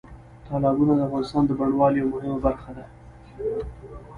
تالابونه د افغانستان د بڼوالۍ یوه مهمه برخه ده.